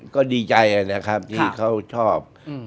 ก็ดีใจนะครับที่เขาชอบ